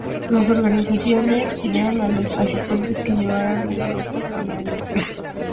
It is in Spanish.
Los organizadores pidieron a los asistentes que llevaran un lazo amarillo.